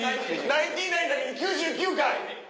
ナインティナインだけに９９回！